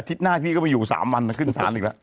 อาทิตย์หน้าพี่ก็มาอยู่๓วันแล้วขึ้นสารอีกแล้ว